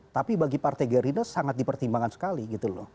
tapi bagi partai gerindra sangat dipertimbangkan sekali gitu loh